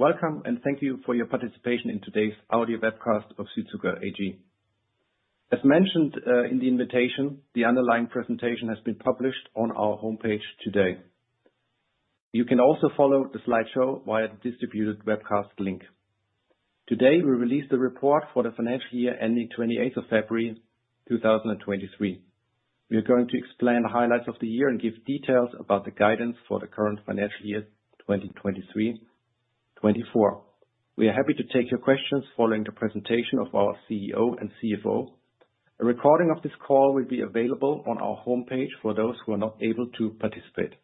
Welcome. Thank you for your participation in today's audio webcast of Südzucker AG. As mentioned, in the invitation, the underlying presentation has been published on our homepage today. You can also follow the slideshow via the distributed webcast link. Today, we release the report for the financial year ending 28th of February, 2023. We are going to explain the highlights of the year and give details about the guidance for the current financial year, 2023, 2024. We are happy to take your questions following the presentation of our CEO and CFO. A recording of this call will be available on our homepage for those who are not able to participate.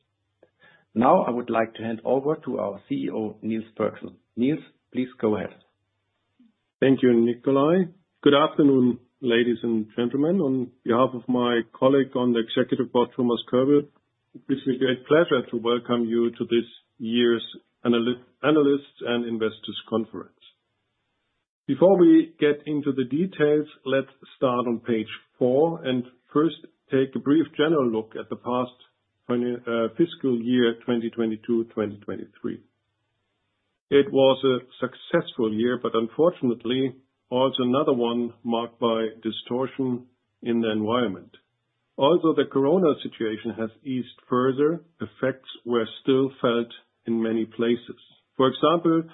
Now, I would like to hand over to our CEO, Niels Pörksen. Niels, please go ahead. Thank you, Nikolai. Good afternoon, ladies and gentlemen. On behalf of my colleague on the executive board, Thomas Kölbl, it gives me great pleasure to welcome you to this year's analysts and investors conference. Before we get into the details, let's start on page 4, and first, take a brief general look at the past fiscal year, 2022, 2023. It was a successful year, but unfortunately, also another one marked by distortion in the environment. Although the Corona situation has eased further, effects were still felt in many places. For example,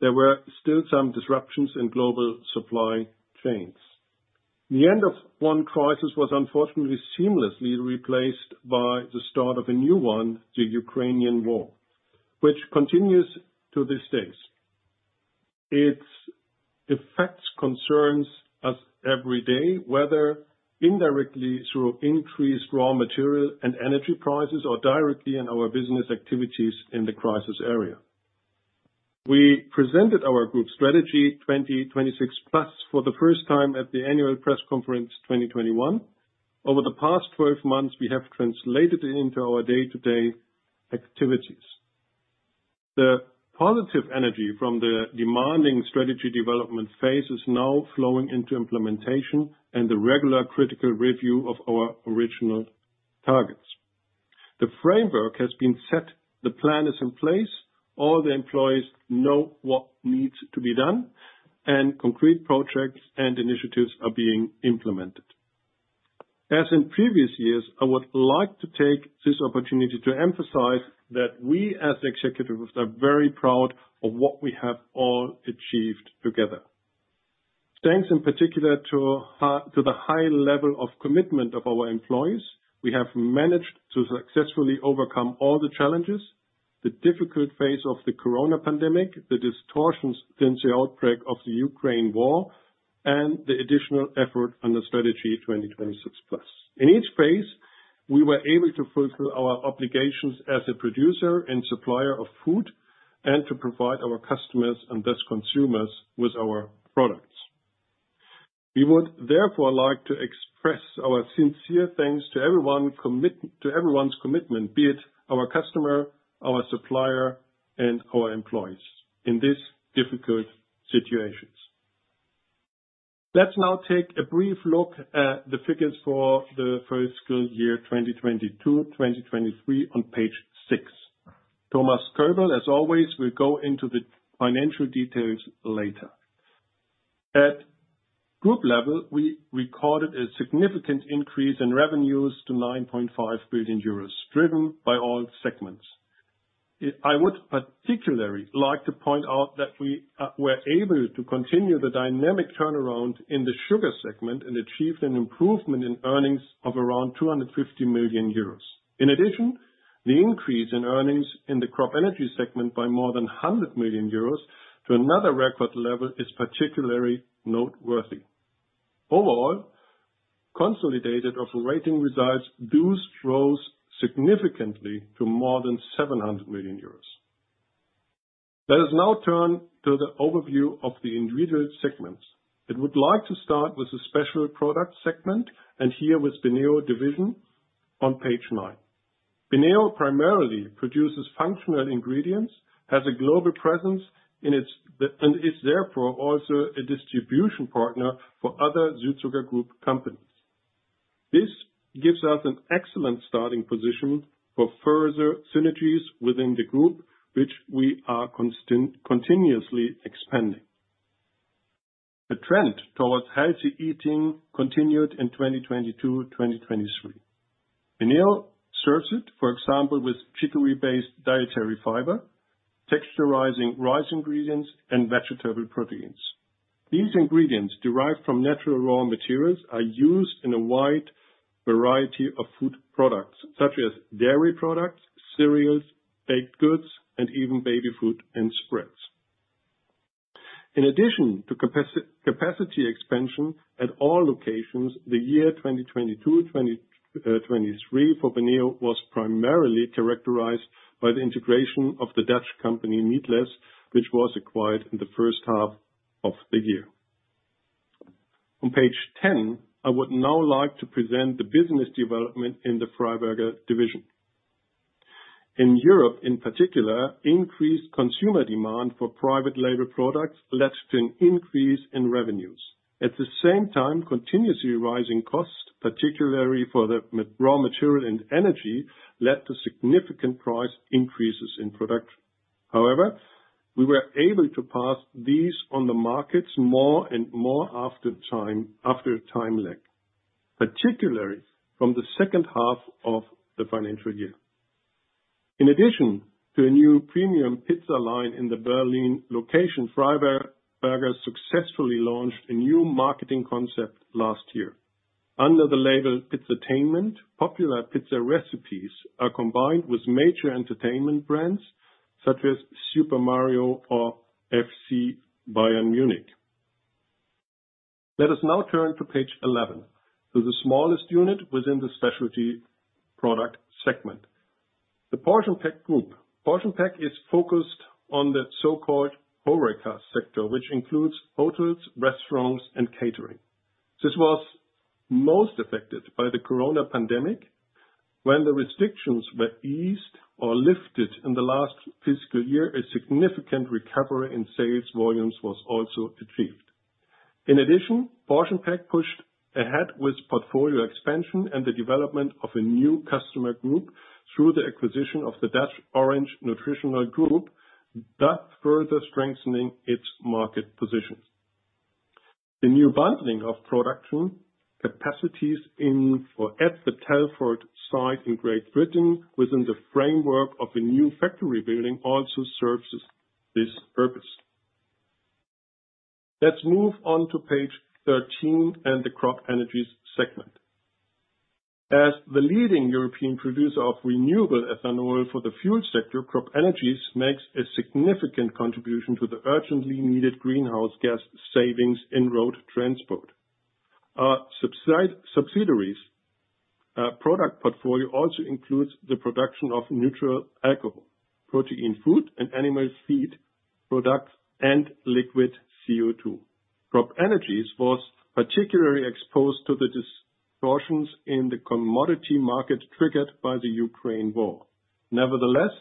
there were still some disruptions in global supply chains. The end of one crisis was unfortunately seamlessly replaced by the start of a new one, the Ukrainian War, which continues to this day. Its effects concerns us every day, whether indirectly through increased raw material and energy prices, or directly in our business activities in the crisis area. We presented our Group Strategy 2026 PLUS, for the first time at the annual press conference, 2021. Over the past 12 months, we have translated it into our day-to-day activities. The positive energy from the demanding strategy development phase is now flowing into implementation and the regular critical review of our original targets. The framework has been set, the plan is in place, all the employees know what needs to be done, and concrete projects and initiatives are being implemented. As in previous years, I would like to take this opportunity to emphasize that we, as executives, are very proud of what we have all achieved together. Thanks, in particular to the high level of commitment of our employees, we have managed to successfully overcome all the challenges, the difficult phase of the Corona pandemic, the distortions since the outbreak of the Ukraine War, and the additional effort on the Strategy 2026 PLUS. In each phase, we were able to fulfill our obligations as a producer and supplier of food, and to provide our customers and thus consumers with our products. We would therefore like to express our sincere thanks to everyone's commitment, be it our customer, our supplier, and our employees in these difficult situations. Let's now take a brief look at the figures for the fiscal year, 2022, 2023, on page 6. Thomas Kölbl, as always, will go into the financial details later. At group level, we recorded a significant increase in revenues to 9.5 billion euros, driven by all segments. I would particularly like to point out that we were able to continue the dynamic turnaround in the sugar segment and achieved an improvement in earnings of around 250 million euros. In addition, the increase in earnings in the CropEnergies segment by more than 100 million euros to another record level, is particularly noteworthy. Overall, consolidated operating results thus rose significantly to more than 700 million euros. Let us now turn to the overview of the individual segments. I would like to start with the Special Product segment, and here with Beneo division on page nine. Beneo primarily produces functional ingredients, has a global presence in its and is therefore also a distribution partner for other Südzucker Group companies. This gives us an excellent starting position for further synergies within the group, which we are continuously expanding. The trend towards healthy eating continued in 2022, 2023. Beneo serves it, for example, with chicory-based dietary fiber, texturizing rice ingredients, and vegetable proteins. These ingredients, derived from natural raw materials, are used in a wide variety of food products, such as dairy products, cereals, baked goods, and even baby food and spreads. In addition to capacity expansion at all locations, the year 2022, 2023 for Beneo, was primarily characterized by the integration of the Dutch company, Meatless, which was acquired in the first half of the year. On page 10, I would now like to present the business development in the Freiberger division. In Europe, in particular, increased consumer demand for private label products led to an increase in revenues. At the same time, continuously rising costs, particularly for the raw material and energy, led to significant price increases in production. However, we were able to pass these on the markets more and more after a time lag, particularly from the second half of the financial year. In addition to a new premium pizza line in the Berlin location, Freiberger successfully launched a new marketing concept last year. Under the label, Pizzatainment, popular pizza recipes are combined with major entertainment brands, such as Super Mario or FC Bayern Munich. Let us now turn to page 11, to the smallest unit within the specialty product segment, the PortionPack Group. PortionPack is focused on the so-called HORECA sector, which includes hotels, restaurants, and catering. This was most affected by the Corona pandemic. When the restrictions were eased or lifted in the last fiscal year, a significant recovery in sales volumes was also achieved. In addition, PortionPack pushed ahead with portfolio expansion and the development of a new customer group through the acquisition of the Dutch Orange Nutritionals Group, thus further strengthening its market position. The new bundling of production capacities at the Telford site in Great Britain, within the framework of a new factory building, also serves this purpose. Let's move on to page 13 and the CropEnergies segment. As the leading European producer of renewable ethanol for the fuel sector, CropEnergies makes a significant contribution to the urgently needed greenhouse gas savings in road transport. Subsidiaries' product portfolio also includes the production of neutral alcohol, protein food, and animal feed products, and liquid CO2. CropEnergies was particularly exposed to the distortions in the commodity market triggered by the Ukraine War. Nevertheless,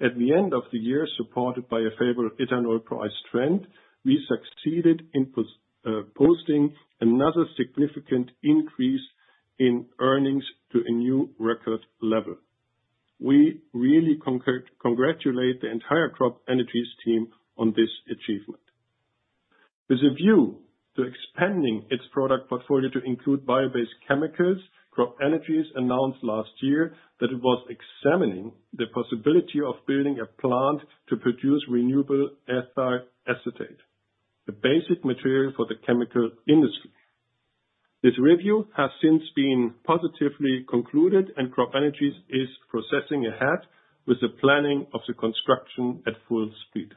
at the end of the year, supported by a favorable ethanol price trend, we succeeded in posting another significant increase in earnings to a new record level. We really congratulate the entire CropEnergies team on this achievement. With a view to expanding its product portfolio to include bio-based chemicals, CropEnergies announced last year that it was examining the possibility of building a plant to produce renewable ethyl acetate, the basic material for the chemical industry. This review has since been positively concluded, and CropEnergies is processing ahead with the planning of the construction at full speed.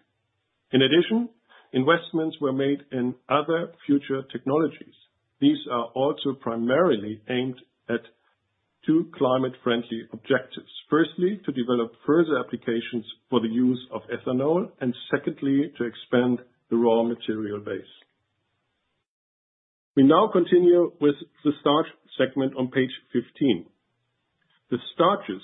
In addition, investments were made in other future technologies. These are also primarily aimed at two climate-friendly objectives: firstly, to develop further applications for the use of ethanol, and secondly, to expand the raw material base. We now continue with the starch segment on page 15. The starches,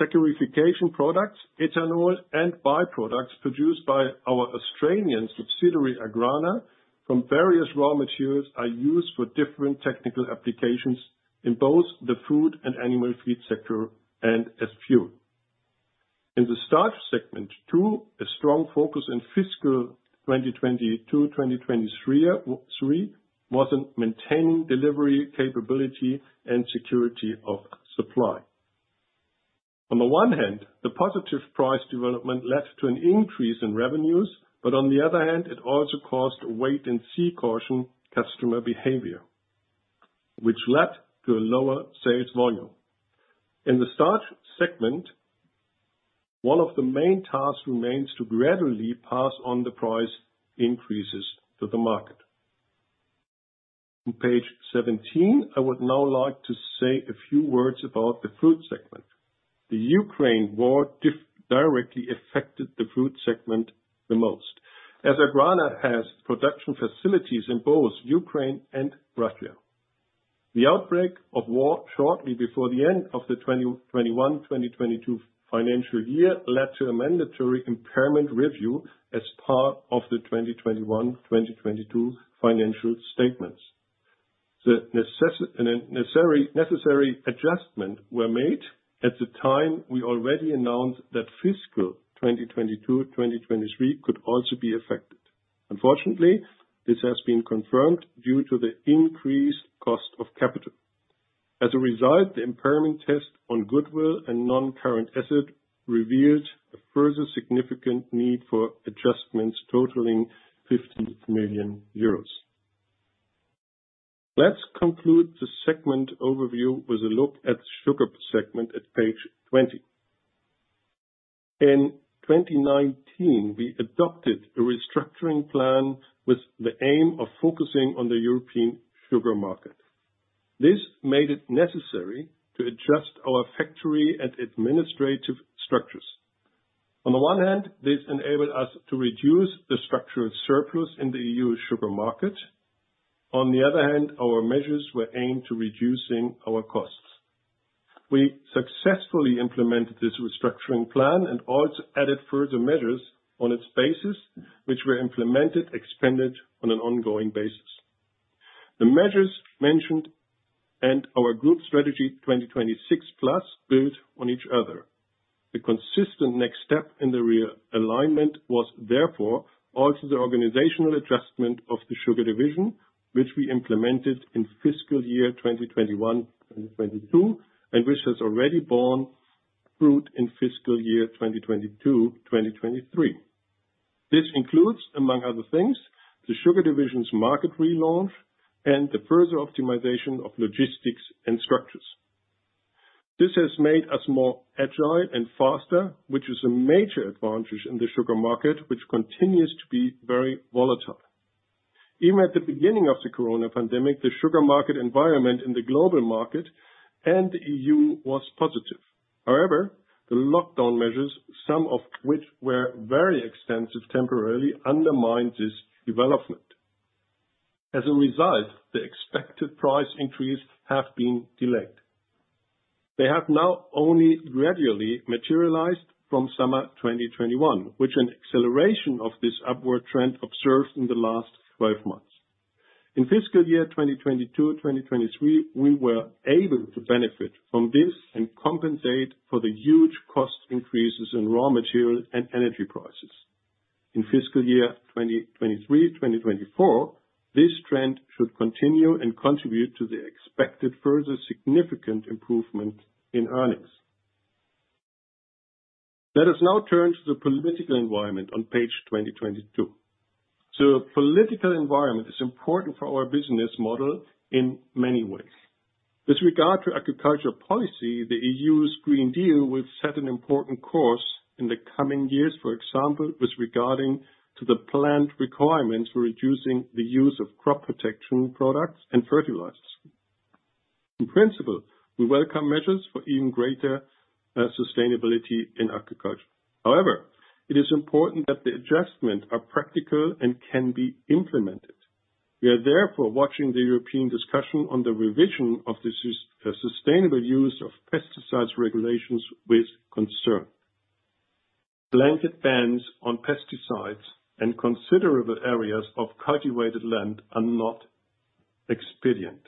saccharification products, ethanol, and byproducts produced by our Australian subsidiary, Agrana, from various raw materials, are used for different technical applications in both the food and animal feed sector and as fuel. In the starch segment, too, a strong focus in fiscal 2022, 2023 was on maintaining delivery capability and security of supply. On the one hand, the positive price development led to an increase in revenues, but on the other hand, it also caused a wait-and-see caution customer behavior, which led to a lower sales volume. In the starch segment, one of the main tasks remains to gradually pass on the price increases to the market. On page 17, I would now like to say a few words about the food segment. The Ukraine war directly affected the food segment the most, as Agrana has production facilities in both Ukraine and Russia. The outbreak of war shortly before the end of the 2021, 2022 financial year, led to a mandatory impairment review as part of the 2021, 2022 financial statements. The necessary adjustment were made. At the time, we already announced that fiscal 2022, 2023 could also be affected. Unfortunately, this has been confirmed due to the increased cost of capital. As a result, the impairment test on goodwill and non-current asset revealed a further significant need for adjustments totaling 15 million euros. Let's conclude the segment overview with a look at the sugar segment at page 20. In 2019, we adopted a restructuring plan with the aim of focusing on the European sugar market. This made it necessary to adjust our factory and administrative structures. On the one hand, this enabled us to reduce the structural surplus in the EU sugar market. On the other hand, our measures were aimed to reducing our costs. We successfully implemented this restructuring plan and also added further measures on its basis, which were implemented, expanded on an ongoing basis. The measures mentioned and our Group Strategy 2026 PLUS, build on each other. The consistent next step in the realignment was therefore also the organizational adjustment of the sugar division, which we implemented in fiscal year 2021, 2022, and which has already borne fruit in fiscal year 2022, 2023. This includes, among other things, the sugar division's market relaunch and the further optimization of logistics and structures. This has made us more agile and faster, which is a major advantage in the sugar market, which continues to be very volatile. Even at the beginning of the Corona pandemic, the sugar market environment in the global market and EU was positive. However, the lockdown measures, some of which were very extensive, temporarily undermined this development. As a result, the expected price increases have been delayed. They have now only gradually materialized from summer 2021, which an acceleration of this upward trend observed in the last 12 months. In fiscal year 2022, 2023, we were able to benefit from this and compensate for the huge cost increases in raw materials and energy prices. In fiscal year 2023, 2024, this trend should continue and contribute to the expected further significant improvement in earnings. Let us now turn to the political environment on page 2022. The political environment is important for our business model in many ways. With regarding to agricultural policy, the EU's Green Deal will set an important course in the coming years, for example, with regarding to the planned requirements for reducing the use of crop protection products and fertilizers. In principle, we welcome measures for even greater sustainability in agriculture. However, it is important that the adjustments are practical and can be implemented. We are therefore watching the European discussion on the revision of the Sustainable Use of Pesticides regulations with concern. Blanket bans on pesticides and considerable areas of cultivated land are not expedient.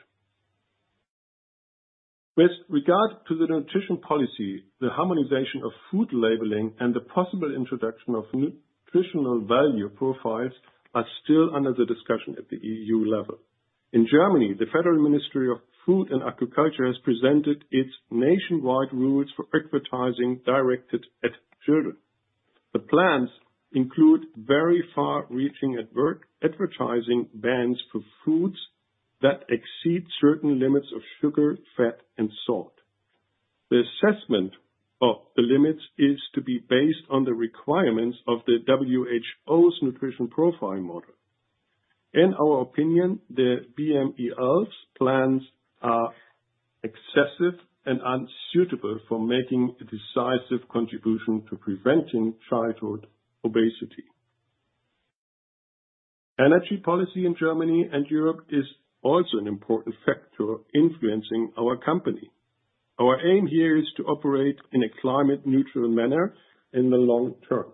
With regard to the nutrition policy, the harmonization of food labeling and the possible introduction of nutritional value profiles are still under the discussion at the EU level. In Germany, the Federal Ministry of Food and Agriculture has presented its nationwide rules for advertising directed at children. The plans include very far-reaching advertising bans for foods that exceed certain limits of sugar, fat, and salt. The assessment of the limits is to be based on the requirements of the WHO's nutrition profile model. In our opinion, the BMEL's plans are excessive and unsuitable for making a decisive contribution to preventing childhood obesity. Energy policy in Germany and Europe is also an important factor influencing our company. Our aim here is to operate in a climate neutral manner in the long term.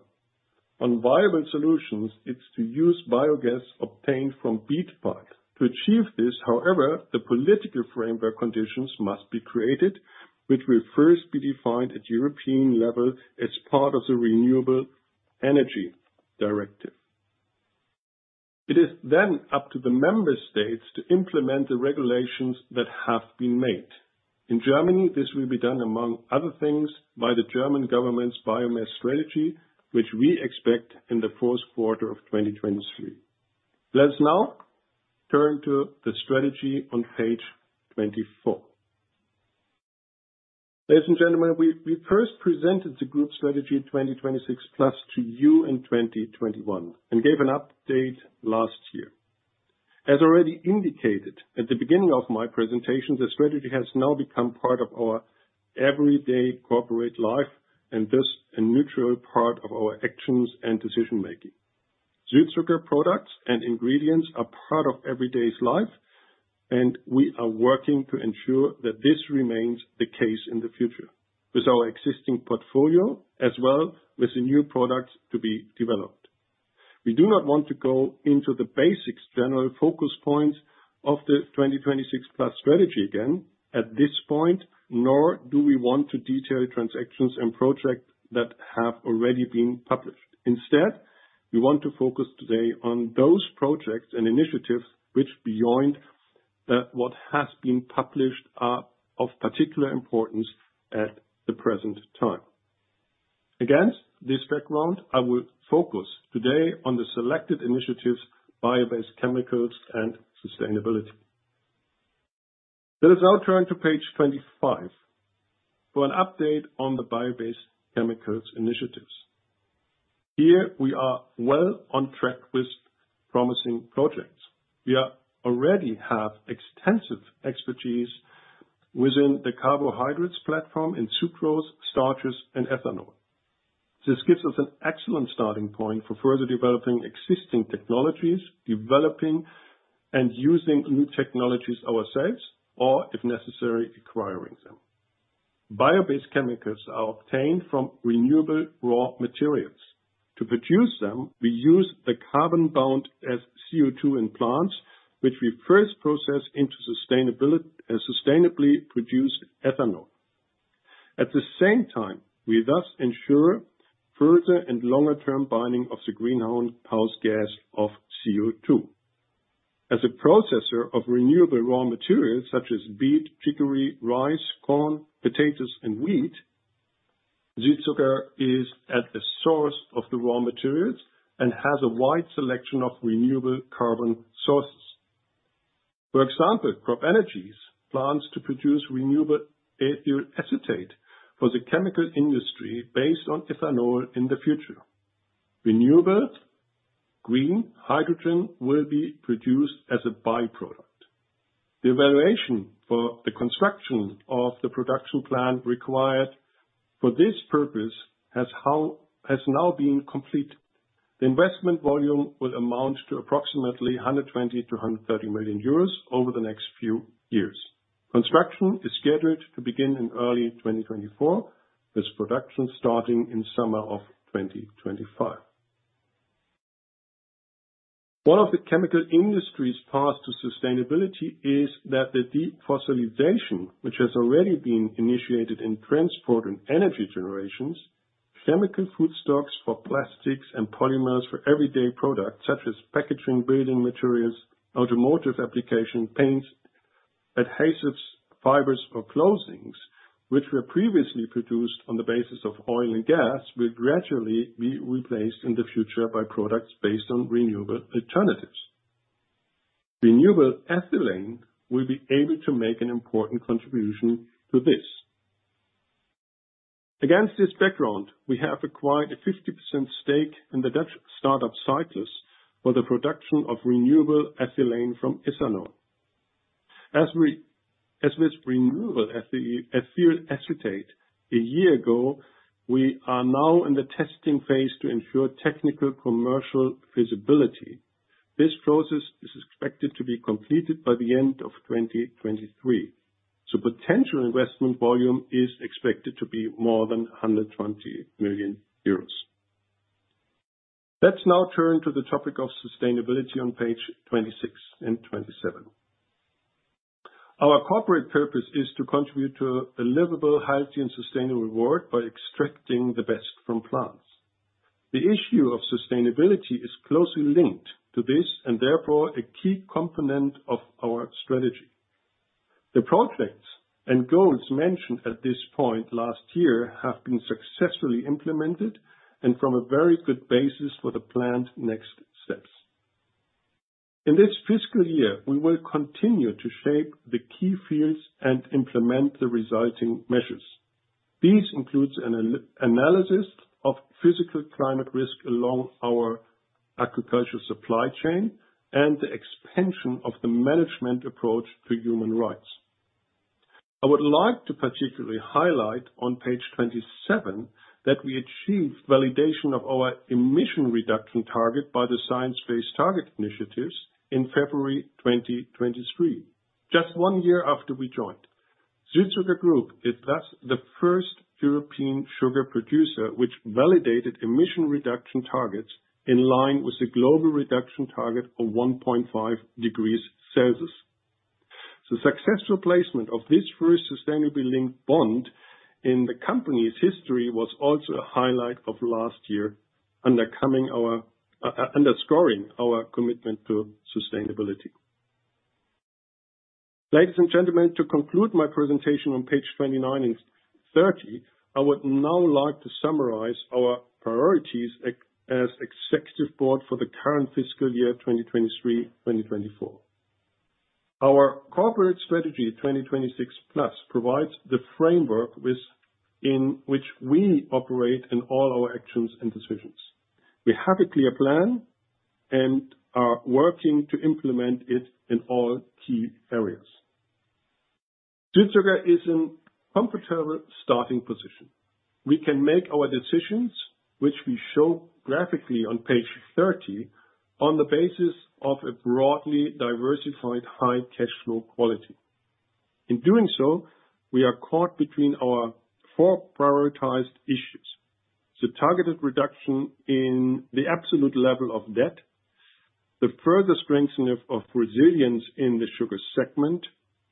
On viable solutions, it's to use biogas obtained from beet pulp. To achieve this, however, the political framework conditions must be created, which will first be defined at European level as part of the Renewable Energy Directive. It is then up to the member states to implement the regulations that have been made. In Germany, this will be done, among other things, by the German government's biomass strategy, which we expect in the fourth quarter of 2023. Let's now turn to the strategy on page 24. Ladies and gentlemen, we first presented the Group Strategy 2026 PLUS to you in 2021 and gave an update last year. As already indicated at the beginning of my presentation, the strategy has now become part of our everyday corporate life and thus a natural part of our actions and decision making. Sweet sugar products and ingredients are part of everyday's life, and we are working to ensure that this remains the case in the future with our existing portfolio, as well with the new products to be developed. We do not want to go into the basics general focus points of the 2026 PLUS strategy again at this point, nor do we want to detail transactions and projects that have already been published. Instead, we want to focus today on those projects and initiatives which, beyond what has been published, are of particular importance at the present time. Against this background, I will focus today on the selected initiatives, bio-based chemicals and sustainability. Let us now turn to page 25 for an update on the bio-based chemicals initiatives. Here we are well on track with promising projects. We already have extensive expertise within the carbohydrates platform in sucrose, starches, and ethanol. This gives us an excellent starting point for further developing existing technologies, developing and using new technologies ourselves, or, if necessary, acquiring them. Bio-based chemicals are obtained from renewable raw materials. To produce them, we use the carbon bound as CO2 in plants, which we first process into sustainability, sustainably produced ethanol. At the same time, we thus ensure further and longer term binding of the greenhouse gas of CO2. As a processor of renewable raw materials such as beet, chicory, rice, corn, potatoes, and wheat, Südzucker is at the source of the raw materials and has a wide selection of renewable carbon sources. For example, CropEnergies plans to produce renewable ethyl acetate for the chemical industry based on ethanol in the future. Renewable green hydrogen will be produced as a by-product. The evaluation for the construction of the production plant required for this purpose has now been completed. The investment volume will amount to approximately 120 million-130 million euros over the next few years. Construction is scheduled to begin in early 2024, with production starting in summer of 2025. One of the chemical industry's path to sustainability is that the de-fossilization, which has already been initiated in transport and energy generation, chemical food stocks for plastics and polymers for everyday products, such as packaging, building materials, automotive applications, paints, adhesives, fibers or clothing, which were previously produced on the basis of oil and gas, will gradually be replaced in the future by products based on renewable alternatives. Renewable ethylene will be able to make an important contribution to this. Against this background, we have acquired a 50% stake in the Dutch start-up, Syclus, for the production of renewable ethylene from ethanol. As with renewable ethyl acetate a year ago, we are now in the testing phase to ensure technical commercial feasibility. This process is expected to be completed by the end of 2023, potential investment volume is expected to be more than 120 million euros. Let's now turn to the topic of sustainability on page 26 and 27. Our corporate purpose is to contribute to a livable, healthy, and sustainable world by extracting the best from plants. The issue of sustainability is closely linked to this, and therefore, a key component of our strategy. The projects and goals mentioned at this point last year have been successfully implemented and form a very good basis for the planned next steps. In this fiscal year, we will continue to shape the key fields and implement the resulting measures. These includes an analysis of physical climate risk along our agricultural supply chain and the expansion of the management approach to human rights. I would like to particularly highlight on page 27, that we achieved validation of our emission reduction target by the Science Based Targets initiative in February 2023, just one year after we joined. Südzucker Group is thus the first European sugar producer which validated emission reduction targets in line with the global reduction target of 1.5 degrees Celsius. The successful placement of this first Sustainability-Linked Bond in the company's history was also a highlight of last year, underscoring our commitment to sustainability. Ladies and gentlemen, to conclude my presentation on page 29 and 30, I would now like to summarize our priorities as Executive Board for the current fiscal year, 2023/2024. Our corporate strategy, 2026 PLUS, provides the framework in which we operate in all our actions and decisions. We have a clear plan and are working to implement it in all key areas. Südzucker is in comfortable starting position. We can make our decisions, which we show graphically on page 30, on the basis of a broadly diversified high cash flow quality. In doing so, we are caught between our four prioritized issues: the targeted reduction in the absolute level of debt, the further strengthening of resilience in the Sugar segment,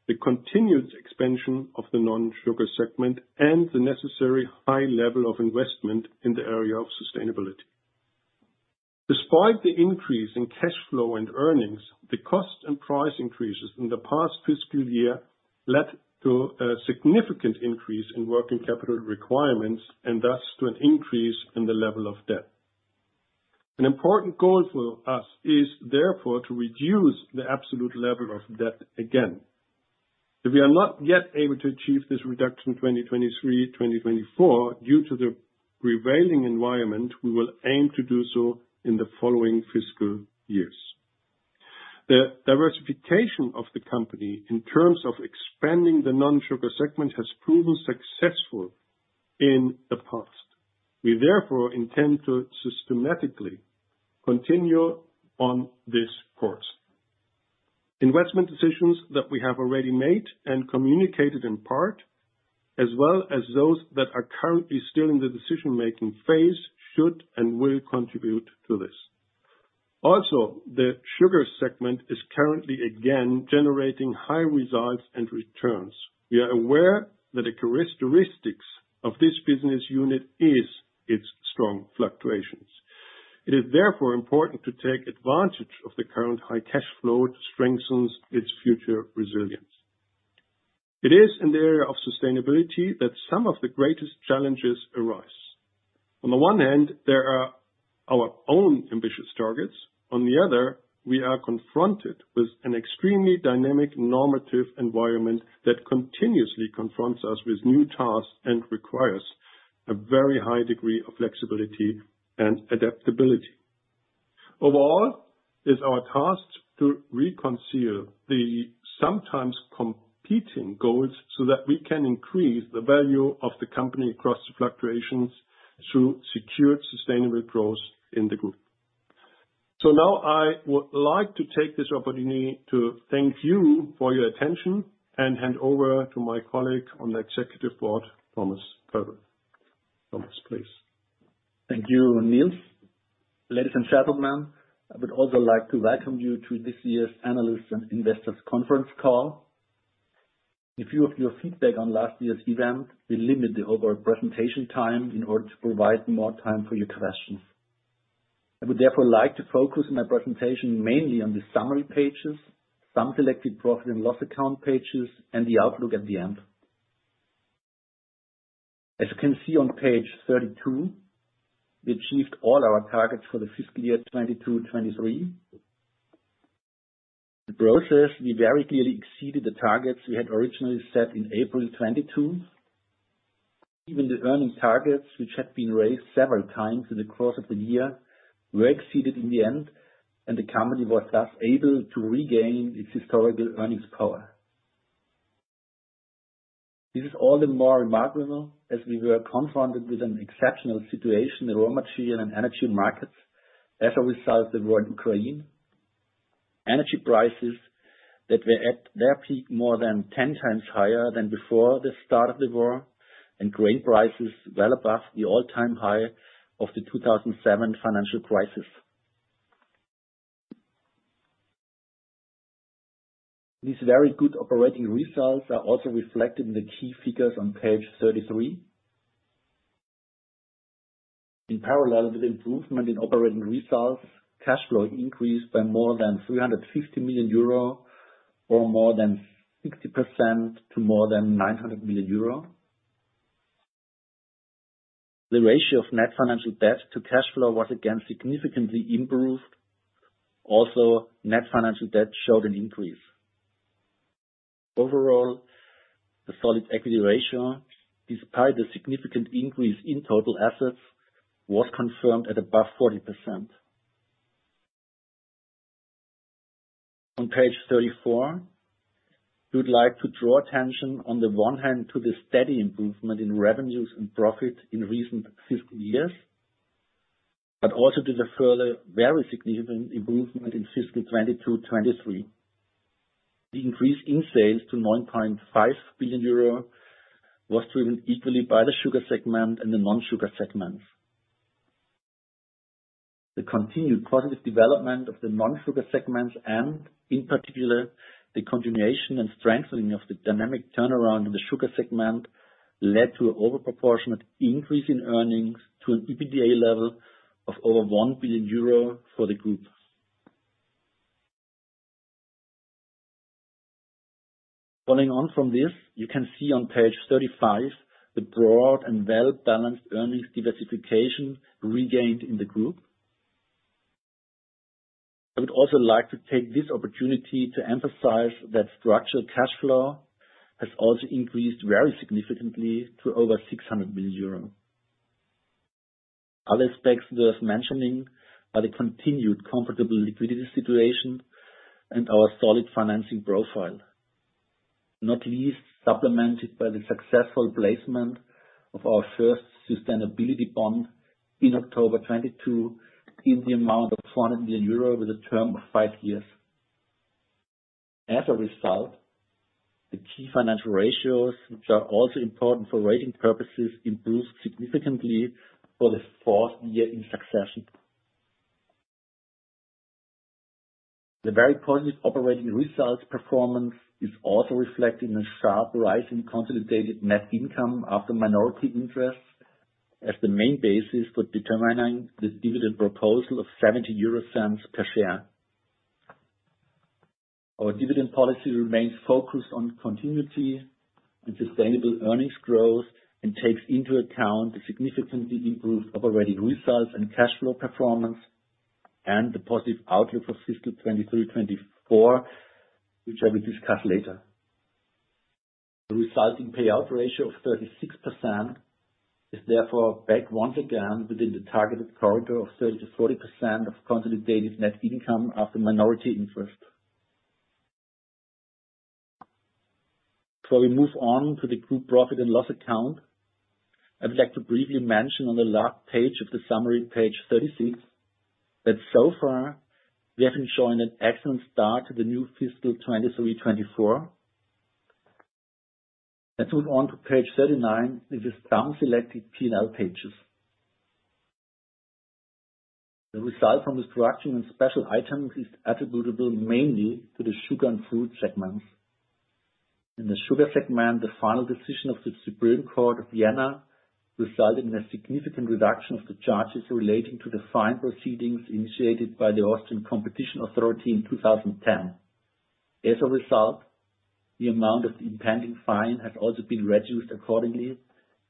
the continued expansion of the non-Sugar segment, and the necessary high level of investment in the area of sustainability. Despite the increase in cash flow and earnings, the cost and price increases in the past fiscal year led to a significant increase in working capital requirements, and thus, to an increase in the level of debt. An important goal for us is therefore to reduce the absolute level of debt again. If we are not yet able to achieve this reduction in 2023/2024 due to the prevailing environment, we will aim to do so in the following fiscal years. The diversification of the company, in terms of expanding the non-sugar segment, has proven successful in the past. We therefore intend to systematically continue on this course. Investment decisions that we have already made and communicated in part, as well as those that are currently still in the decision-making phase, should and will contribute to this. The sugar segment is currently again generating high results and returns. We are aware that the characteristics of this business unit is its strong fluctuations. It is therefore important to take advantage of the current high cash flow, which strengthens its future resilience. It is in the area of sustainability that some of the greatest challenges arise. On the one hand, there are our own ambitious targets, on the other, we are confronted with an extremely dynamic, normative environment that continuously confronts us with new tasks and requires a very high degree of flexibility and adaptability. Overall, it's our task to reconcile the sometimes competing goals, that we can increase the value of the company across the fluctuations through secured, sustainable growth in the group. Now I would like to take this opportunity to thank you for your attention and hand over to my colleague on the Executive Board, Thomas Kölbl. Thomas, please. Thank you, Niels. Ladies and gentlemen, I would also like to welcome you to this year's Analyst and Investors Conference call. A few of your feedback on last year's event, we limit the overall presentation time in order to provide more time for your questions. I would therefore like to focus my presentation mainly on the summary pages, some selected profit and loss account pages, and the outlook at the end. As you can see on page 32, we achieved all our targets for the fiscal year 2022, 2023. In the process, we very clearly exceeded the targets we had originally set in April 2022. Even the earnings targets, which had been raised several times in the course of the year, were exceeded in the end, and the company was thus able to regain its historical earnings power. This is all the more remarkable as we were confronted with an exceptional situation in raw material and energy markets as a result of the war in Ukraine. Energy prices that were at their peak, more than 10 times higher than before the start of the war, and grain prices well above the all-time high of the 2007 financial crisis. These very good operating results are also reflected in the key figures on page 33. In parallel with improvement in operating results, cash flow increased by more than 350 million euro, or more than 60% to more than 900 million euro. The ratio of net financial debt to cash flow was again significantly improved. Also, net financial debt showed an increase. Overall, the solid equity ratio, despite the significant increase in total assets, was confirmed at above 40%. On page 34, we would like to draw attention on the one hand, to the steady improvement in revenues and profit in recent fiscal years, but also to the further very significant improvement in fiscal 2022, 2023. The increase in sales to 9.5 billion euro was driven equally by the Sugar segment and the non-Sugar segments. The continued positive development of the non-Sugar segments, and in particular, the continuation and strengthening of the dynamic turnaround in the Sugar segment, led to an overproportionate increase in earnings to an EBITDA level of over 1 billion euro for the group. Following on from this, you can see on page 35, the broad and well-balanced earnings diversification regained in the group. I would also like to take this opportunity to emphasize that structural cash flow has also increased very significantly to over 600 million euros. Other aspects worth mentioning are the continued comfortable liquidity situation and our solid financing profile, not least supplemented by the successful placement of our first Sustainability bond in October 2022, in the amount of 400 million euro, with a term of five years. As a result, the key financial ratios, which are also important for rating purposes, improved significantly for the fourth year in succession. The very positive operating results performance is also reflected in a sharp rise in consolidated net income after minority interest, as the main basis for determining the dividend proposal of 0.70 per share. Our dividend policy remains focused on continuity and sustainable earnings growth, and takes into account the significantly improved operating results and cash flow performance, and the positive outlook for fiscal 2023, 2024, which I will discuss later. The resulting payout ratio of 36% is therefore back once again within the targeted corridor of 30%-40% of consolidated net income after minority interest. Before we move on to the Group profit and loss account, I would like to briefly mention on the last page of the summary, page 36, that so far, we have been showing an excellent start to the new fiscal 2023-2024. Let's move on to page 39, with the some selected P&L pages. The result from this reduction in special items is attributable mainly to the Sugar and Fruit segments. In the Sugar segment, the final decision of the Supreme Court of Vienna resulted in a significant reduction of the charges relating to the fine proceedings initiated by the Austrian Competition Authority in 2010. As a result, the amount of the impending fine has also been reduced accordingly,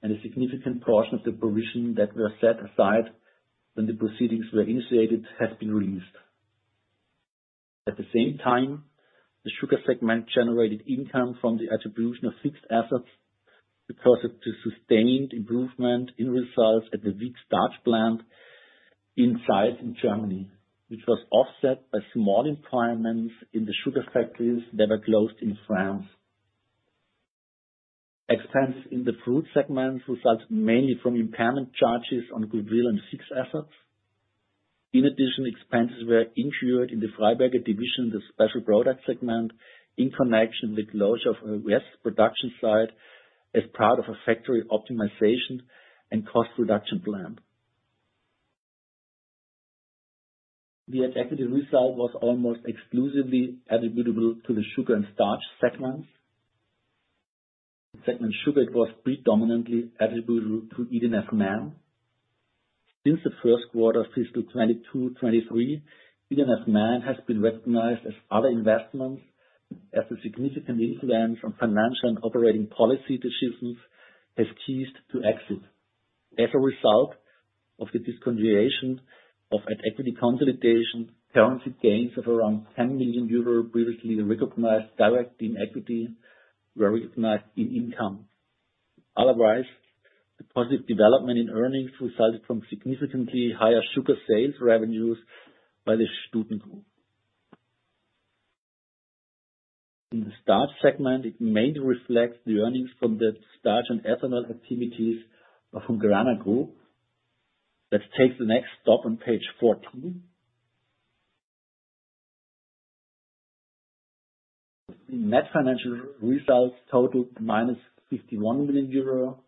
and a significant portion of the provision that was set aside when the proceedings were initiated, has been released. At the same time, the sugar segment generated income from the attribution of fixed assets because of the sustained improvement in results at the wheat starch plant in Zeitz in Germany, which was offset by small impairments in the sugar factories that were closed in France. Expense in the fruit segment resulted mainly from impairment charges on goodwill and fixed assets. In addition, expenses were incurred in the Freiberger division, the special product segment, in connection with closure of a U.S. production site as part of a factory optimization and cost reduction plan. The equity result was almost exclusively attributable to the sugar and starch segments. Segment sugar was predominantly attributable to ED&F Man. Since the first quarter of fiscal 2022-2023, ED&F Man has been recognized as other investments, as a significant influence on financial and operating policy decisions has ceased to exist. As a result of the discontinuation of at equity consolidation, currency gains of around 10 million euro previously recognized direct in equity, were recognized in income. Otherwise, the positive development in earnings resulted from significantly higher sugar sales revenues by the Südzucker Group. In the starch segment, it mainly reflects the earnings from the starch and ethanol activities of Hungrana Group. Let's take the next stop on page 14. Net financial results totaled minus 51 million euro,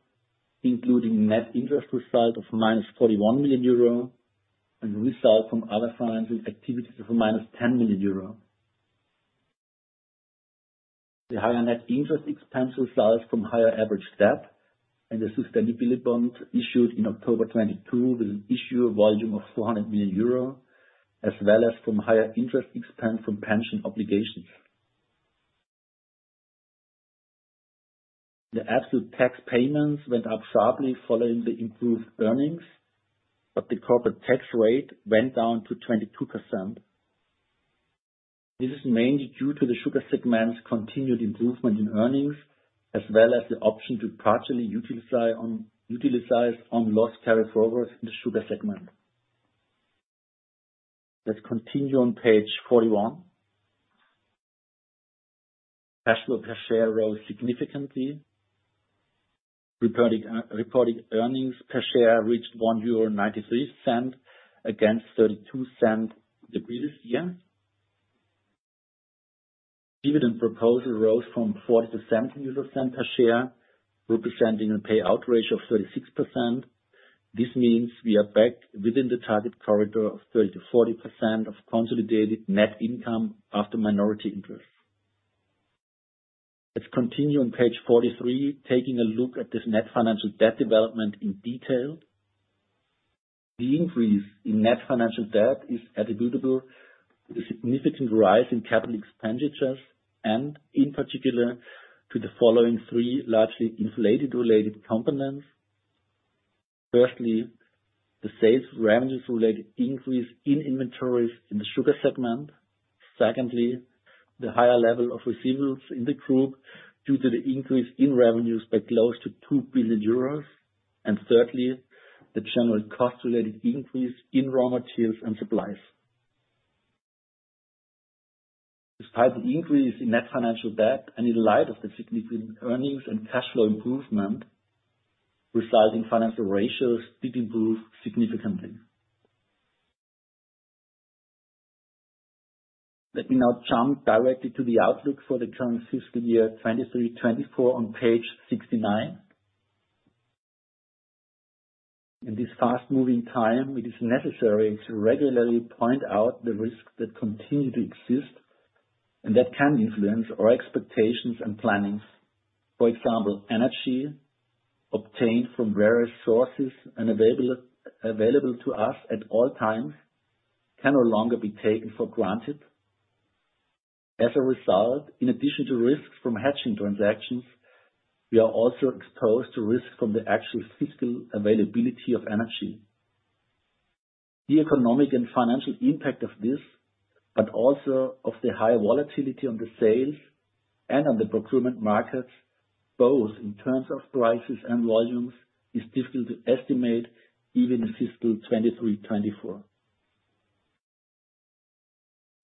including net interest result of minus 41 million euro, and result from other financial activities of minus 10 million euro. The higher net interest expense results from higher average debt and the Sustainability bond issued in October 2022, with an issue volume of 400 million euro, as well as from higher interest expense from pension obligations. The absolute tax payments went up sharply following the improved earnings, the corporate tax rate went down to 22%. This is mainly due to the sugar segment's continued improvement in earnings, as well as the option to partially utilize on loss carryforwards in the sugar segment. Let's continue on page 41. Cash flow per share rose significantly. Reporting earnings per share reached 1.93 euro, against 0.32 the previous year. Dividend proposal rose from 0.40 to 0.70 per share, representing a payout ratio of 36%. This means we are back within the target corridor of 30%-40% of consolidated net income after minority interest. Let's continue on page 43, taking a look at this net financial debt development in detail. The increase in net financial debt is attributable to the significant rise in capital expenditures, and in particular, to the following three largely inflated-related components. Firstly, the sales revenues-related increase in inventories in the sugar segment. Secondly, the higher level of receivables in the group due to the increase in revenues by close to 2 billion euros. Thirdly, the general cost-related increase in raw materials and supplies. Despite the increase in net financial debt and in light of the significant earnings and cash flow improvement, resulting financial ratios did improve significantly. Let me now jump directly to the outlook for the current fiscal year, 2023-2024, on page 69. In this fast-moving time, it is necessary to regularly point out the risks that continue to exist and that can influence our expectations and plannings. For example, energy obtained from various sources and available to us at all times, can no longer be taken for granted. As a result, in addition to risks from hedging transactions, we are also exposed to risks from the actual physical availability of energy. The economic and financial impact of this, but also of the high volatility on the sales and on the procurement markets, both in terms of prices and volumes, is difficult to estimate even in fiscal 2023, 2024.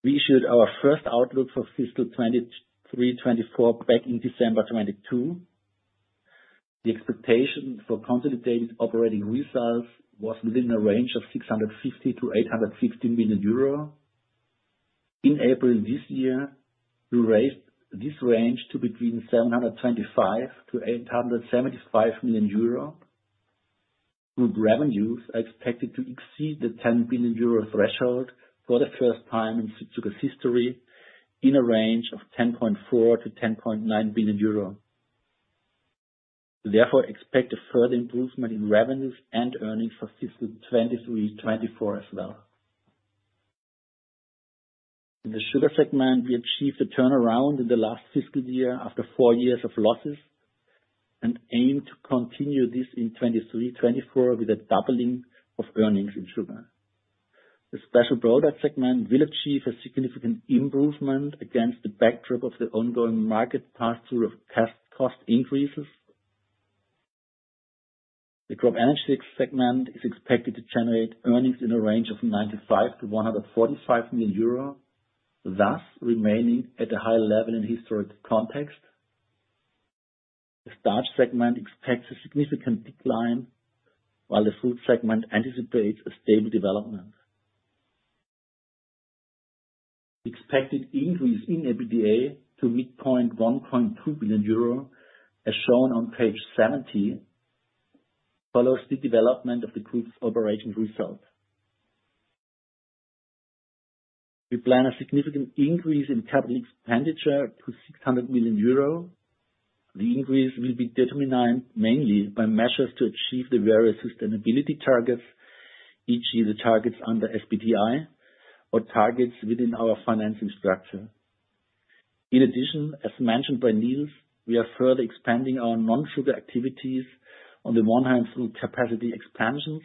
We issued our first outlook for fiscal 2023, 2024 back in December 2022. The expectation for consolidated operating results was within a range of 650 million-850 million euro. In April this year, we raised this range to between 725 million-875 million euro. Group revenues are expected to exceed the 10 billion euro threshold for the first time in Südzucker's history, in a range of 10.4 billion-10.9 billion euro, therefore expect a further improvement in revenues and earnings for fiscal 2023, 2024 as well. In the sugar segment, we achieved a turnaround in the last fiscal year after four years of losses, and aim to continue this in 2023, 2024, with a doubling of earnings in sugar. The special product segment will achieve a significant improvement against the backdrop of the ongoing market pass-through of cost increases. The CropEnergies segment is expected to generate earnings in a range of 95 million-145 million euro, thus remaining at a high level in historic context. The starch segment expects a significant decline, while the food segment anticipates a stable development. Expected increase in EBITDA to mid-point 1.2 billion euro, as shown on page 70, follows the development of the Group's operations result. We plan a significant increase in capital expenditure to 600 million euro. The increase will be determined mainly by measures to achieve the various sustainability targets, each year the targets under SBTI or targets within our financing structure. In addition, as mentioned by Niels, we are further expanding our non-sugar activities on the one hand, through capacity expansions,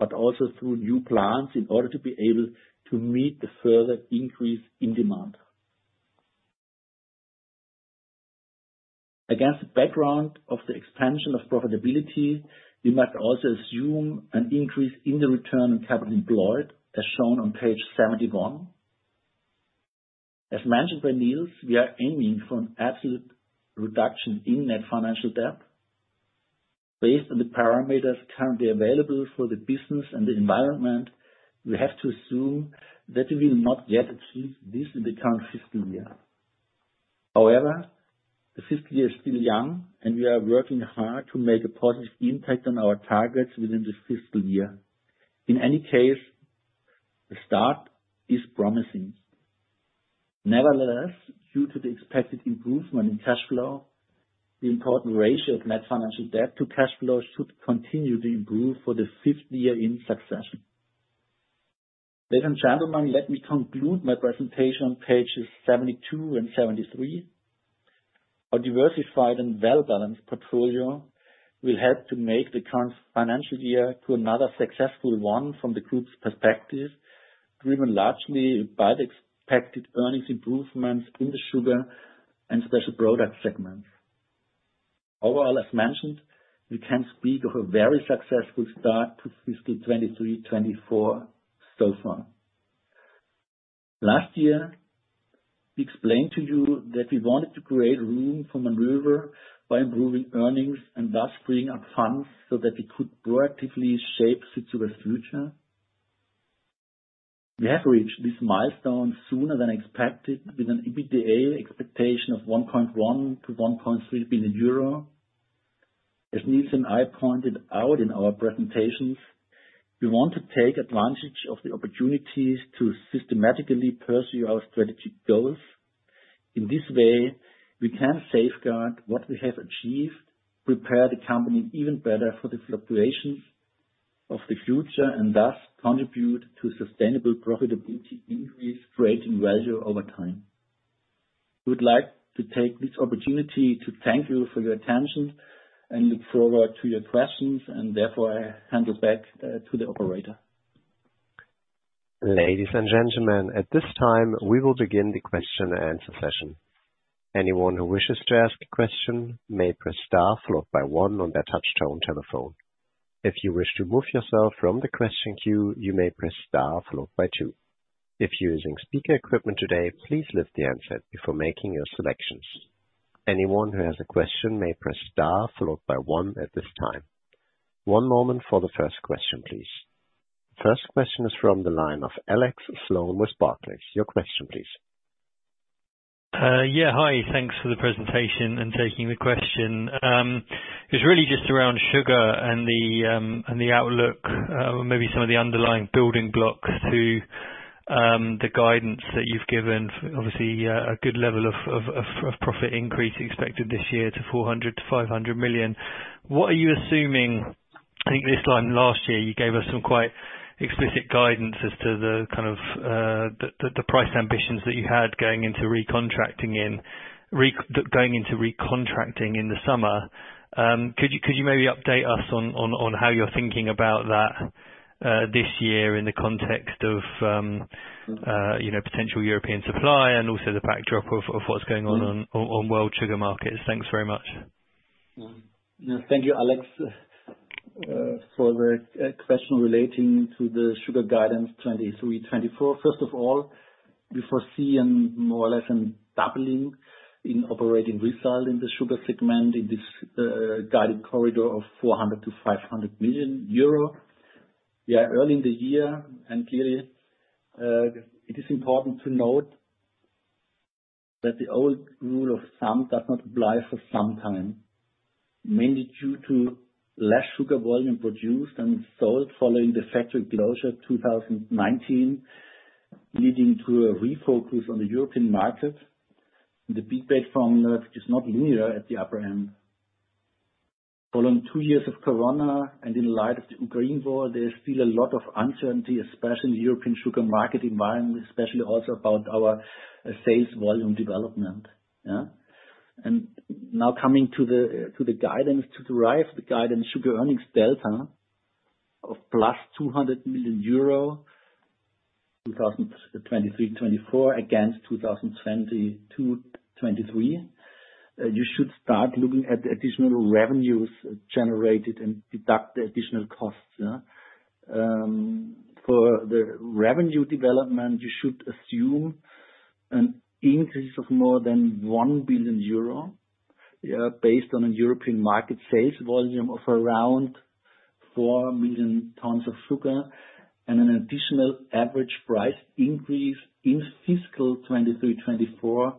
but also through new plants, in order to be able to meet the further increase in demand. Against the background of the expansion of profitability, we might also assume an increase in the return on capital employed, as shown on page 71. As mentioned by Niels, we are aiming for an absolute reduction in net financial debt. Based on the parameters currently available for the business and the environment, we have to assume that we will not yet achieve this in the current fiscal year. The fiscal year is still young, and we are working hard to make a positive impact on our targets within the fiscal year. In any case, the start is promising. Due to the expected improvement in cash flow, the important ratio of net financial debt to cash flow should continue to improve for the 5th year in succession. Ladies and gentlemen, let me conclude my presentation on pages 72 and 73. A diversified and well-balanced portfolio will help to make the current financial year to another successful one from the group's perspective, driven largely by the expected earnings improvements in the Sugar and Special Product segments. Overall, as mentioned, we can speak of a very successful start to fiscal 2023, 2024 so far. Last year, we explained to you that we wanted to create room for maneuver by improving earnings and thus freeing up funds so that we could proactively shape Südzucker's future. We have reached this milestone sooner than expected, with an EBITDA expectation of 1.1 billion-1.3 billion euro. As Niels and I pointed out in our presentations, we want to take advantage of the opportunities to systematically pursue our strategic goals. In this way, we can safeguard what we have achieved, prepare the company even better for the fluctuations of the future, and thus contribute to sustainable profitability increase, creating value over time. We would like to take this opportunity to thank you for your attention and look forward to your questions. Therefore I hand it back to the operator. Ladies and gentlemen, at this time, we will begin the question and answer session. Anyone who wishes to ask a question may press star followed by one on their touchtone telephone. If you wish to remove yourself from the question queue, you may press star followed by two. If you're using speaker equipment today, please lift the handset before making your selections. Anyone who has a question may press star followed by one at this time. One moment for the first question, please. First question is from the line of Alex Sloane with Barclays. Your question, please. Yeah, hi, thanks for the presentation and taking the question. It's really just around sugar and the outlook, maybe some of the underlying building blocks to the guidance that you've given. Obviously, a good level of profit increase expected this year to 400 million-500 million. What are you assuming? I think this time last year, you gave us some quite explicit guidance as to the kind of price ambitions that you had going into recontracting in going into recontracting in the summer. Could you maybe update us on how you're thinking about that this year in the context of, you know, potential European supply and also the backdrop of what's going on world sugar markets? Thanks very much. Thank you, Alex, for the question relating to the sugar guidance 2023, 2024. First of all, we foresee an more or less an doubling in operating result in the sugar segment, in this guided corridor of 400 million-500 million euro. We are early in the year, and clearly, it is important to note that the old rule of thumb does not apply for some time, mainly due to less sugar volume produced and sold following the factory closure 2019, leading to a refocus on the European market. The beet-based formula is not linear at the upper end. Following two years of Corona and in light of the Ukraine war, there is still a lot of uncertainty, especially in the European sugar market environment, especially also about our sales volume development, yeah? Now, coming to the guidance. To derive the guidance sugar earnings delta of plus EUR 200 million, 2023, 2024, against 2022, 2023, you should start looking at the additional revenues generated and deduct the additional costs, yeah? For the revenue development, you should assume an increase of more than 1 billion euro, based on a European market sales volume of around 4 million tons of sugar, and an additional average price increase in fiscal 2023, 2024,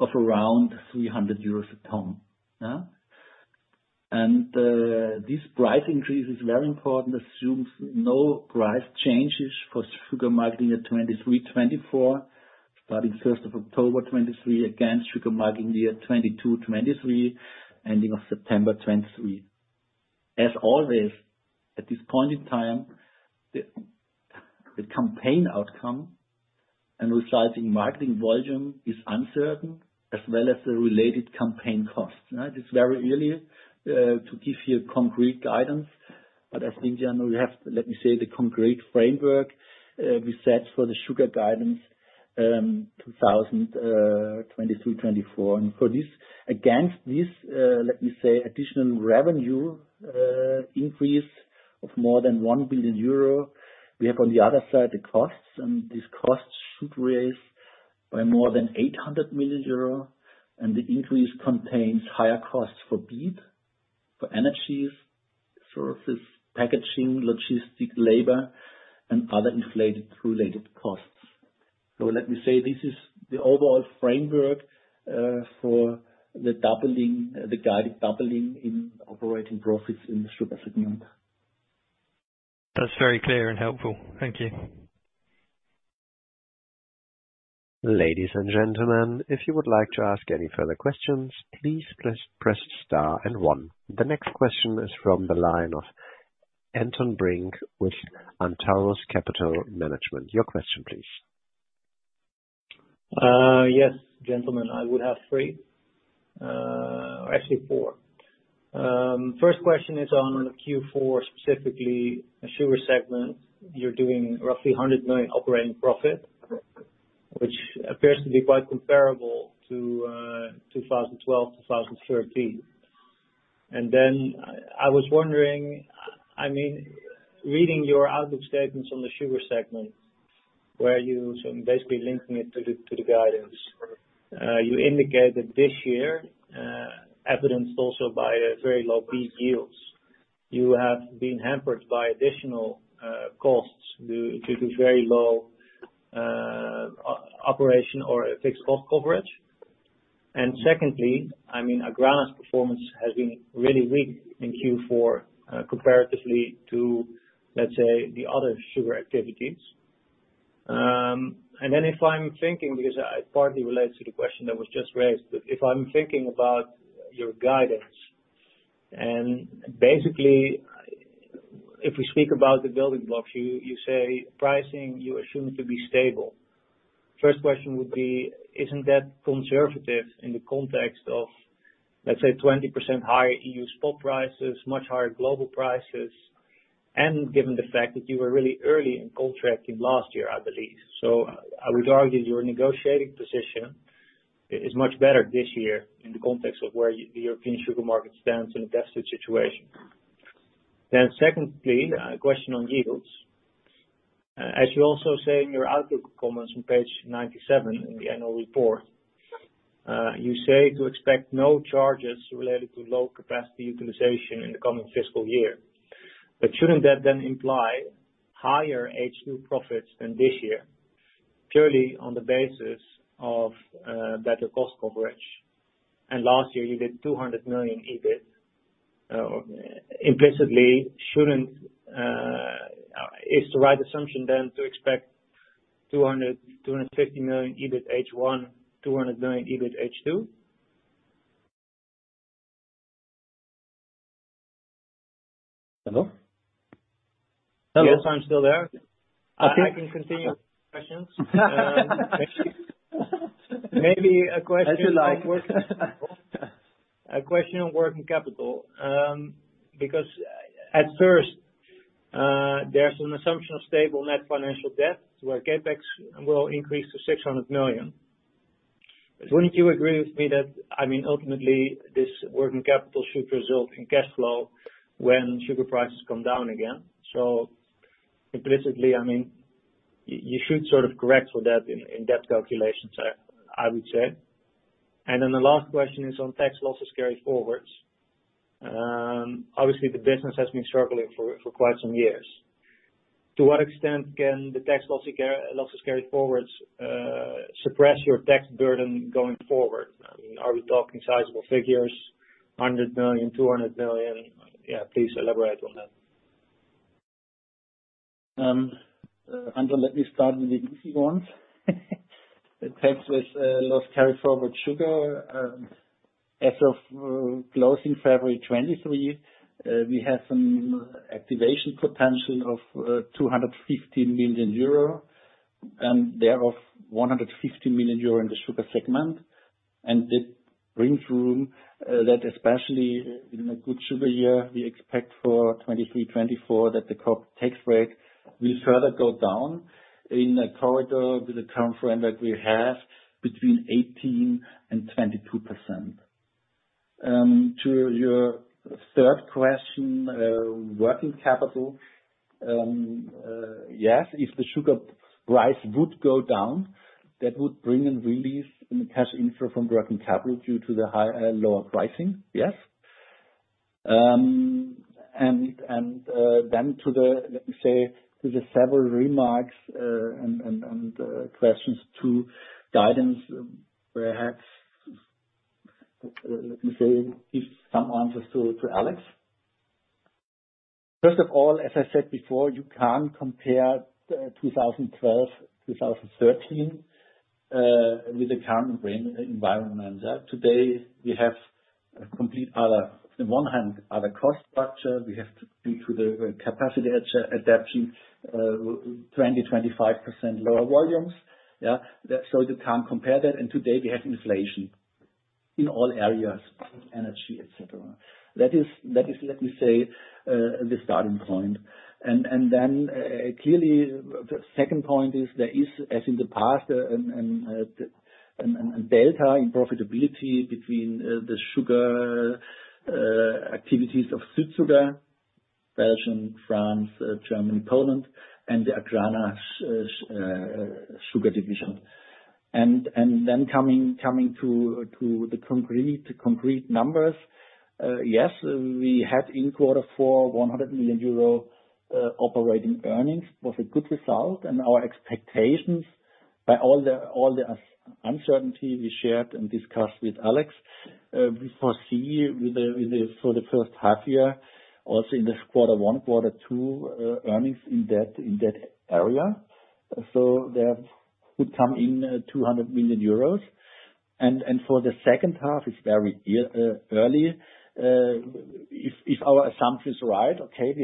of around 300 euros a ton, yeah? This price increase is very important, assumes no price changes for sugar marketing at 2023, 2024, starting first of October 2023, against sugar marketing year 2022, 2023, ending of September 2023. As always, at this point in time, the campaign outcome and resulting marketing volume is uncertain, as well as the related campaign costs, right? It's very early to give you a concrete guidance, but I think in general, we have, let me say, the concrete framework we set for the sugar guidance 2023, 2024. For this, against this, let me say, additional revenue, increase of more than 1 billion euro, we have on the other side, the costs. These costs should raise by more than 800 million euro. The increase contains higher costs for beet, for energies, services, packaging, logistic, labor, and other inflated related costs. Let me say, this is the overall framework for the doubling, the guided doubling in operating profits in the sugar segment. That's very clear and helpful. Thank you. Ladies and gentlemen, if you would like to ask any further questions, please press star and one. The next question is from the line of Anton Brink with Antaurus Capital Management. Your question please. Yes, gentlemen, I would have three or actually four. First question is on Q4, specifically, Sugar segment. You're doing roughly 100 million operating profit, which appears to be quite comparable to 2012, 2013. I mean, reading your outlook statements on the Sugar segment, where you are basically linking it to the guidance. You indicated this year, evidenced also by very low beet yields, you have been hampered by additional costs due to the very low operation or fixed cost coverage. Secondly, I mean, Agrana's performance has been really weak in Q4, comparatively to, let's say, the other sugar activities. If I'm thinking, because partly relates to the question that was just raised, but if I'm thinking about your guidance, and basically, if we speak about the building blocks, you say pricing, you assume to be stable. First question would be: Isn't that conservative in the context of, let's say, 20% higher EU spot prices, much higher global prices, and given the fact that you were really early in contracting last year, I believe? I would argue your negotiating position is much better this year in the context of where the European sugar market stands in a desperate situation. Secondly, a question on yields. As you also say in your outlook comments on page 97 in the annual report, you say to expect no charges related to low capacity utilization in the coming fiscal year. Shouldn't that then imply higher H2 profits than this year, purely on the basis of better cost coverage? Last year you did 200 million EBIT. Is the right assumption then to expect 200 million-250 million EBIT H1, EUR 200 million EBIT H2? Hello? Yes, I'm still there. I can continue with questions. Maybe a question- As you like. A question on working capital, because at first, there's an assumption of stable net financial debt, where CapEx will increase to 600 million. Wouldn't you agree with me that, I mean, ultimately, this working capital should result in cash flow when sugar prices come down again? Implicitly, I mean, you should sort of correct for that in debt calculations, I would say. The last question is on tax losses carried forwards. Obviously, the business has been struggling for quite some years. To what extent can the tax losses carried forwards suppress your tax burden going forward? I mean, are we talking sizable figures, 100 million, 200 million? Please elaborate on that. Anton, let me start with the easy one. The tax with loss carry forward sugar, as of closing February 2023, we had some activation potential of 250 million euro, and thereof, 150 million euro in the sugar segment. It brings room that especially in a good sugar year, we expect for 2023, 2024, that the co- tax break will further go down in a corridor with the time frame that we have between 18% and 22%. To your third question, working capital. Yes, if the sugar price would go down, that would bring a relief in the cash inflow from working capital due to the high, lower pricing. Yes. Then to the several remarks and questions to guidance, give some answers to Alex. First of all, as I said before, you can't compare 2012, 2013 with the current environment. Today, we have a complete other. On one hand, other cost structure, we have due to the capacity adaption, 25% lower volumes. Yeah, so you can't compare that, and today we have inflation in all areas, energy, et cetera. That is, let me say, the starting point, and then clearly, the second point is, there is, as in the past, and delta in profitability between the sugar activities of Südzucker, Belgium, France, Germany, Poland, and the Agrana Sugar division. Then coming to the concrete numbers, yes, we had in quarter four, 100 million euro operating earnings, was a good result, and our expectations, by all the uncertainty we shared and discussed with Alex, we foresee for the first half year, also in the quarter one, quarter two, earnings in that area. That would come in 200 million euros. For the second half, it's very early if our assumptions are right, okay,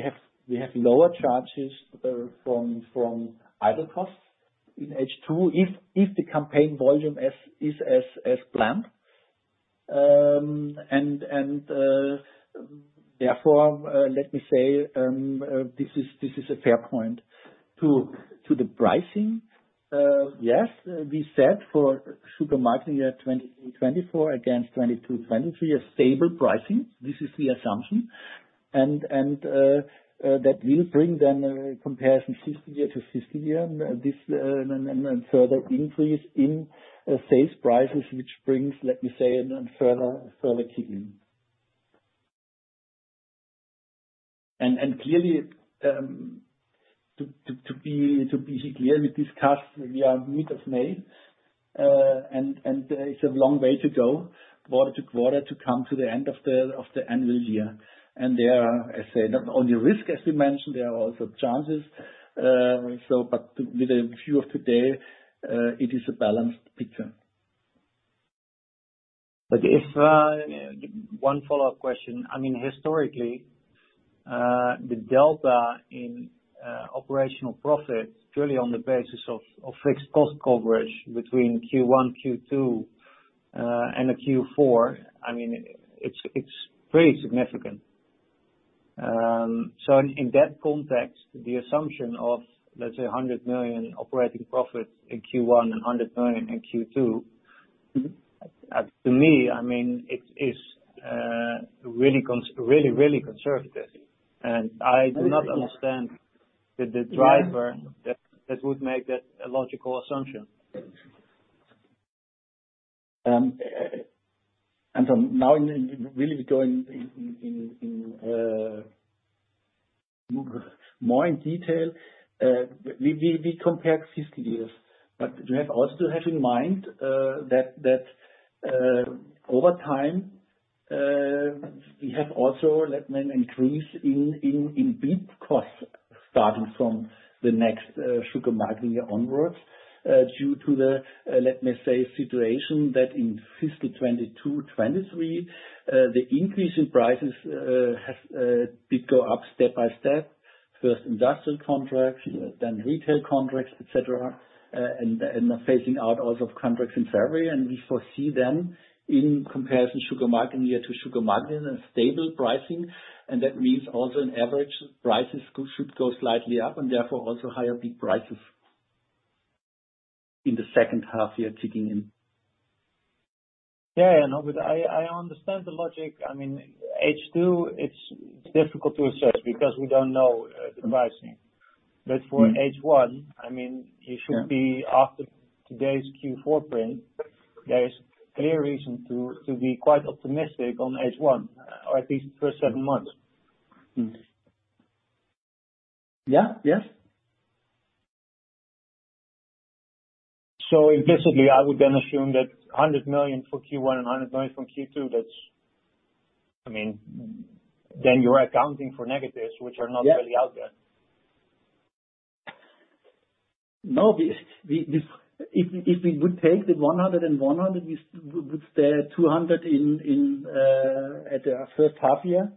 we have lower charges from idle costs in H2 if the campaign volume is as planned. Therefore, let me say, this is a fair point. To the pricing, yes, we said for supermarket year 2024 against 2023, a stable pricing. This is the assumption and that will bring then a comparison fifty year to fifty year, this and further increase in sales prices, which brings, let me say, a further kick in. Clearly, to be clear, we discussed we are mid of May, and it's a long way to go quarter to quarter to come to the end of the annual year. There are, I say, not only risk, as we mentioned, there are also chances, but with a view of today, it is a balanced picture. If, one follow-up question. I mean, historically, the delta in operating profits purely on the basis of fixed cost coverage between Q1, Q2, and a Q4, I mean, it's pretty significant. In that context, the assumption of, let's say, 100 million operating profits in Q1 and 100 million in Q2- Mm-hmm. - to me, I mean, it is really really, really conservative. I do not understand the driver that would make that a logical assumption. Now really going in more in detail, we compared 50 years. You have also to have in mind that over time, we have also let an increase in beet costs starting from the next sugar marketing year onwards, due to the, let me say, situation that in fiscal 2022, 2023, the increase in prices has did go up step by step. First, industrial contracts, then retail contracts, et cetera, and phasing out also of contracts in February. We foresee then, in comparison sugar marketing year to sugar marketing, a stable pricing, and that means also in average, prices should go slightly up and therefore also higher peak prices in the second half year ticking in. Yeah, I know, I understand the logic. I mean, H2, it's difficult to assess because we don't know the pricing. For H1, I mean, it should be after today's Q4 print, there is clear reason to be quite optimistic on H1, or at least the first seven months. Yeah. Yes. Implicitly, I would then assume that 100 million for Q1 and 100 million from Q2, that's... I mean, then you're accounting for negatives which are not... Yeah. -really out there. No, if we would take the 100 and 100, we would say 200 in the first half year,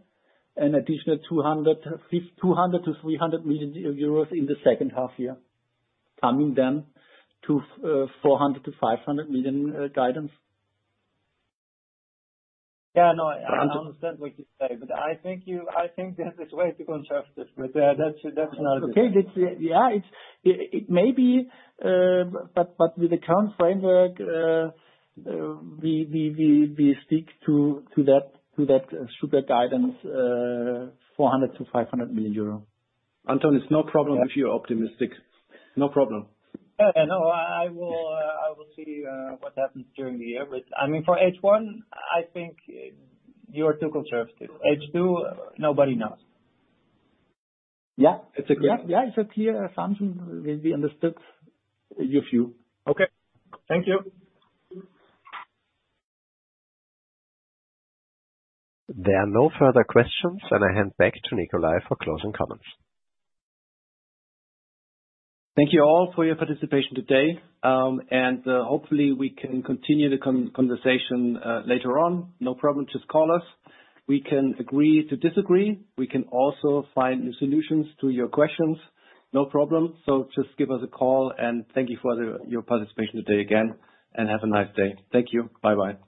an additional 200 million-300 million euros in the second half year, coming then to 400 million-500 million guidance. Yeah, no, I understand what you say, but I think there's this way to conserve this, but that's another thing. Okay, yeah, it may be, but with the current framework, we stick to that sugar guidance, 400 million-500 million euro. Anton, it's no problem if you're optimistic. No problem. Yeah, I know. I will, I will see what happens during the year. I mean, for H1, I think you are too conservative. H2, nobody knows. Yeah. It's okay. Yeah, it's a clear assumption. We understood your view. Okay, thank you. There are no further questions, and I hand back to Nikolai for closing comments. Thank you all for your participation today, and hopefully we can continue the conversation later on. No problem, just call us. We can agree to disagree. We can also find solutions to your questions. No problem, just give us a call, and thank you for your participation today again, and have a nice day. Thank you. Bye-bye.